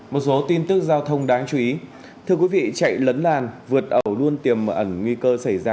một số tin tức giao thông đáng chú ý thưa quý vị chạy lấn làn vượt ẩu luôn tiềm ẩn nguy cơ xảy ra